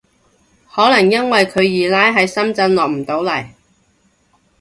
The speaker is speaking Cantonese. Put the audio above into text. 可能因為佢二奶喺深圳落唔到嚟